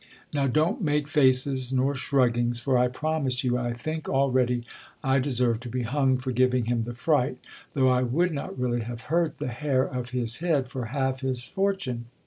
Now don't make faces nor shruggings ; for 1 promise you, I think al ready I deserve to be hung for giving him the fright ;' though I would not really have hurt the hair of his head for half his fortune.